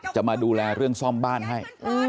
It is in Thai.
จะมาดูแลเรื่องซ่อมบ้านให้